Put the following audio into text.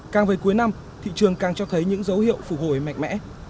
càng về cuối năm thị trường càng cho thấy những dấu hiệu phù hồi mạnh mẽ